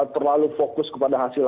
terlalu fokus kepada hasil